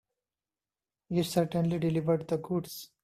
You certainly delivered the goods.